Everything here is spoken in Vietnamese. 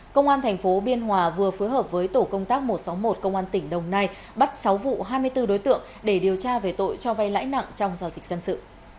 công an tp biên hòa vừa phối hợp với tổ công tác một trăm sáu mươi một công an tỉnh đồng nai bắt sáu vụ hai mươi bốn đối tượng để điều tra về tội cho vay lãi nặng trong giao dịch dân sự